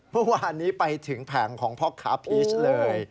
เมื่อวานนี้ไปถึงแผงของพ่อค้าพีชเลย